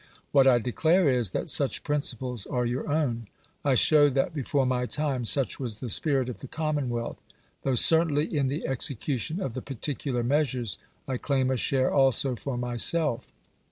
What I declare is, that such principles are your own ; I show that before my tim.e such was the spirit of the commonwealth ; tho certainly in the execution of the particular measures I claim a share also for myself.